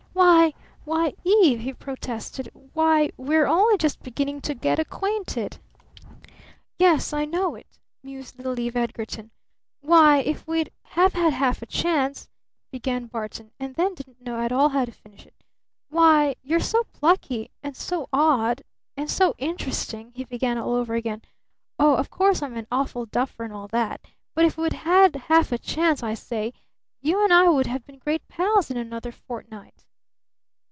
"Why why, Eve!" he protested, "why, we're only just beginning to get acquainted." "Yes, I know it," mused little Eve Edgarton. "Why if we'd have had half a chance " began Barton, and then didn't know at all how to finish it. "Why, you're so plucky and so odd and so interesting!" he began all over again. "Oh, of course, I'm an awful duffer and all that! But if we'd had half a chance, I say, you and I would have been great pals in another fortnight!"